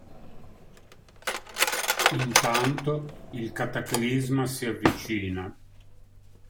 Intanto, il Cataclisma si avvicina.